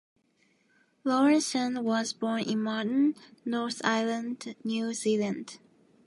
Laurenson was born in Marton, North Island, New Zealand.